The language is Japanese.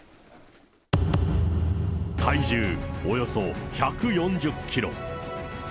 体重およそ１４０キロ。